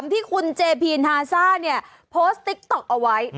ที่คุณเจพีนฮาซ่าเนี่ยโพสต์ติ๊กต๊อกเอาไว้